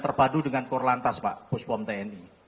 terpadu dengan kor lantas pak puspom tni